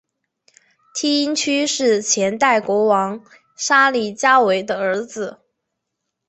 梯因屈是前代国王沙里伽维的儿子。